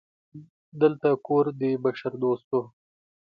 دلته کور د بشردوستو